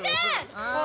はい！